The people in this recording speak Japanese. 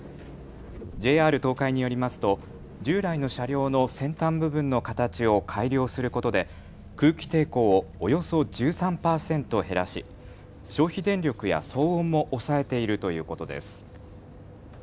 ＪＲ東海によりますと従来の車両の先端部分の形を改良することで空気抵抗をおよそ１３％減らし消費電力や騒音も抑えているということです。